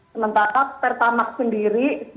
sementara pertamax sendiri